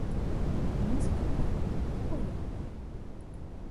Мы спыталі, хто яны.